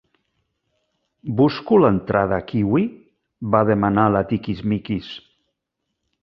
Busco l'entrada kiwi? —va demanar la Tiquismiquis.